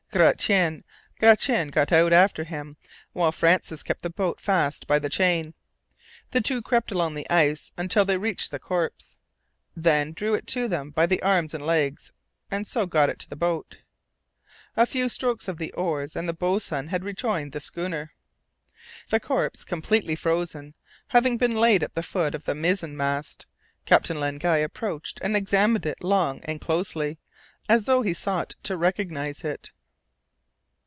Gratian got out after him, while Francis kept the boat fast by the chain. The two crept along the ice until they reached the corpse, then drew it to them by the arms and legs and so got it into the boat. A few strokes of the oars and the boatswain had rejoined the schooner. The corpse, completely frozen, having been laid at the foot of the mizen mast, Captain Len Guy approached and examined it long and closely, as though he sought to recognize it.